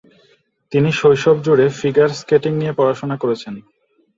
তিনি শৈশব জুড়ে ফিগার স্কেটিং নিয়ে পড়াশোনা করেছেন।